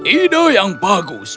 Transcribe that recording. ide yang bagus